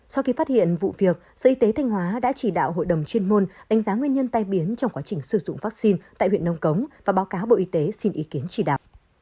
sau khi phát hiện vụ việc sở y tế thanh hóa đã chỉ đạo hội đồng chuyên môn đánh giá nguyên nhân tai biến trong quá trình sử dụng vaccine tại huyện nông cống và báo cáo bộ y tế xin ý kiến chỉ đạo